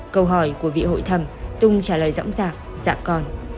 câu hỏi của vị hội thầm tùng trả lời rõ ràng dạ còn